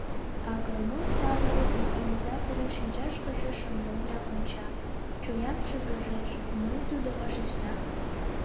Агроном самырык механизаторын шинчашкыже шымленрак онча, чоян шыргыжеш: мом тудо вашешта?